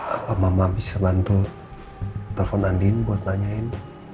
apa mama bisa bantu telepon andin buat nanyain